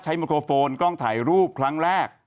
ไมโครโฟนกล้องถ่ายรูปครั้งแรก